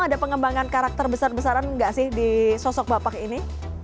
ada pengembangan karakter besar besaran nggak sih di sosok bapak ini